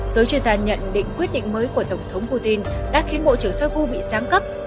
giới chuyên gia nhận định quyết định mới của tổng thống putin đã khiến bộ trưởng shoigu bị sáng cấp